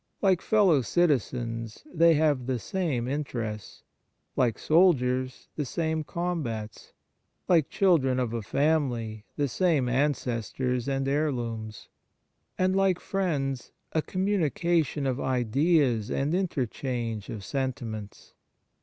Like fellow citizens, they have the same inter 5 Fraternal Charity ests; like soldiers, the same combats; like children of a family, the same ancestors and heirlooms; and, like friends, a commu nication of ideas and interchange of senti ments.